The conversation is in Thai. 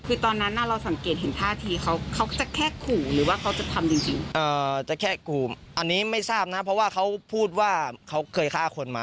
พวกนี้ด้านแฟนนึงนะคะ